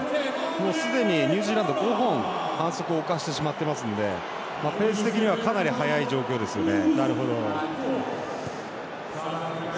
すでにニュージーランド、５本反則を犯してしまってますのでペース的にはかなり早い状況ですよね。